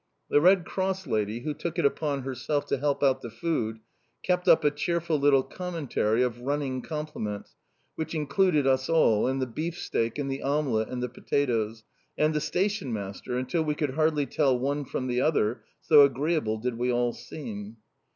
The Red Cross lady, who took it upon herself to help out the food, kept up a cheerful little commentary of running compliments which included us all, and the beef steak, and the omelette, and the potatoes, and the stationmaster, until we could hardly tell one from the other, so agreeable did we all seem!